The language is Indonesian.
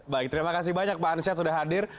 baik terima kasih banyak pak ansyad sudah hadir